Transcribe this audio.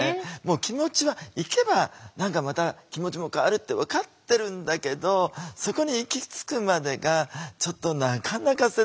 気持ちは行けば何かまた気持ちも変わるって分かってるんだけどそこに行き着くまでがちょっとなかなか説得するのがね。